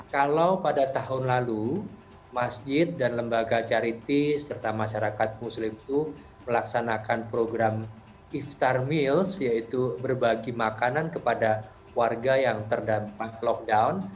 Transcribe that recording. kalau pada tahun lalu masjid dan lembaga caritis serta masyarakat muslim itu melaksanakan program iftar meals yaitu berbagi makanan kepada warga yang terdampak lockdown